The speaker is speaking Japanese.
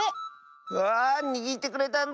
うわあにぎってくれたんだ！